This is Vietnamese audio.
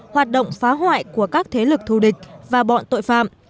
hoạt động phá hoại của các thế lực thù địch và bọn tội phạm